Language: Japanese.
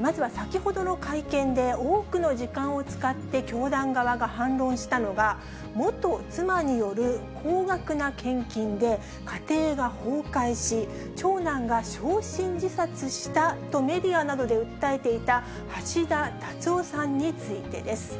まずは先ほどの会見で、多くの時間を使って教団側が反論したのが、元妻による高額な献金で家庭が崩壊し、長男が焼身自殺したとメディアなどで訴えていた橋田達夫さんについてです。